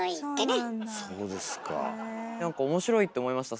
なんか面白いって思いました。